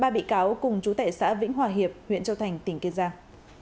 ba bị cáo cùng chú tệ xã vĩnh hòa hiệp huyện châu thành tỉnh kiên giang